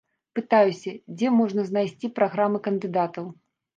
Пытаюся, дзе можна знайсці праграмы кандыдатаў.